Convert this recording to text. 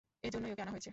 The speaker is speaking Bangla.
এজন্যই ওকে আনা হয়েছে।